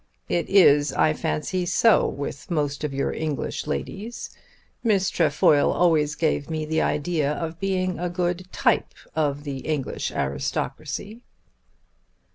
It is I fancy so with most of your English ladies. Miss Trefoil always gave me the idea of being a good type of the English aristocracy."